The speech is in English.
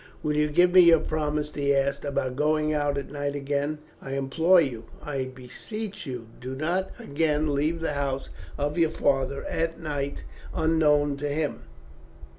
"Will you give me your promise," he asked, "about going out at night again? I implore you, I beseech you do not again leave the house of your father at night unknown to him.